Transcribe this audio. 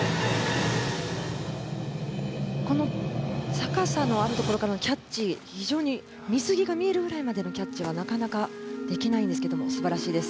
高さのあるところからのキャッチも非常に水着が見えるぐらいのキャッチはなかなかできませんが素晴らしいです。